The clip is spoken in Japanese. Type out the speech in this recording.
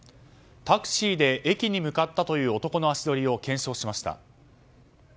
タクシーで駅に向かったという男の足取りを検証しました。